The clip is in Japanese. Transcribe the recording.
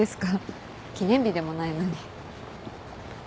記念日でもないのに。